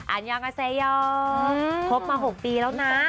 อันยังาเซโยพบมา๖ปีแล้วนะ